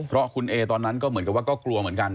เพราะคุณเอตอนนั้นก็เหมือนกับว่าก็กลัวเหมือนกัน